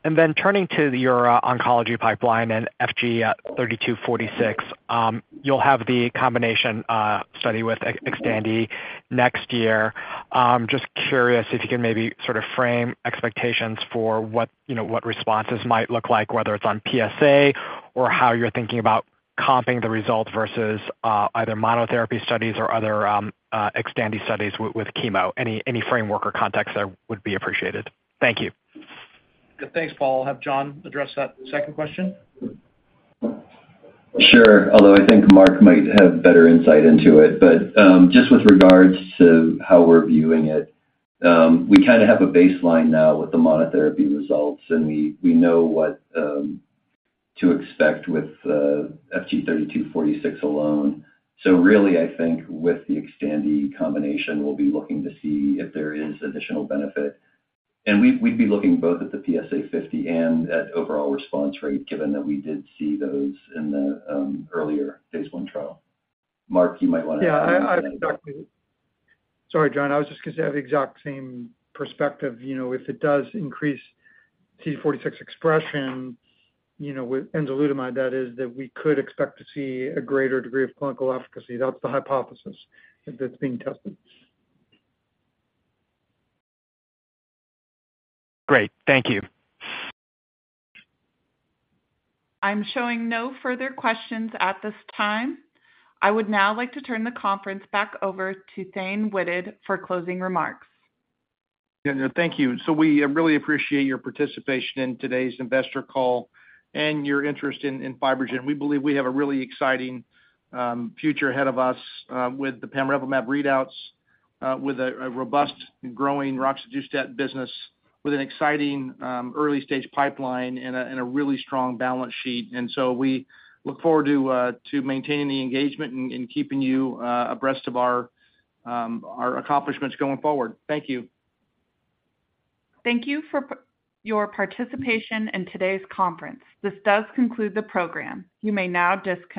[SPEAKER 14] Then turning to your oncology pipeline and FG-3246, you'll have the combination study with XTANDI next year. Just curious if you can maybe sort of frame expectations for what, you know, what responses might look like, whether it's on PSA or how you're thinking about comping the results versus either monotherapy studies or other XTANDI studies with, with chemo. Any, any framework or context there would be appreciated. Thank you.
[SPEAKER 9] Thanks, Paul. I'll have John address that second question.
[SPEAKER 5] Sure, although I think Mark might have better insight into it. Just with regards to how we're viewing it, we kinda have a baseline now with the monotherapy results, and we, we know what to expect with FG-3246 alone. Really, I think with the XTANDI combination, we'll be looking to see if there is additional benefit. We'd be looking both at the PSA50 and at overall response rate, given that we did see those in the earlier Phase I trial. Mark, you might wanna...
[SPEAKER 9] Yeah, I. Sorry, John, I was just gonna say I have the exact same perspective. You know, if it does increase CCR8 expression, you know, with enzalutamide, that is, that we could expect to see a greater degree of clinical efficacy. That's the hypothesis that's being tested.
[SPEAKER 14] Great. Thank you.
[SPEAKER 2] I'm showing no further questions at this time. I would now like to turn the conference back over to Thane Wettig for closing remarks.
[SPEAKER 4] Yeah, thank you. We really appreciate your participation in today's investor call and your interest in FibroGen. We believe we have a really exciting future ahead of us with the pamrevlumab readouts, with a robust and growing Roxadustat business, with an exciting early-stage pipeline and a really strong balance sheet. We look forward to maintaining the engagement and keeping you abreast of our accomplishments going forward. Thank you.
[SPEAKER 2] Thank you for your participation in today's conference. This does conclude the program. You may now disconnect.